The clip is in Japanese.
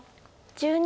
１２。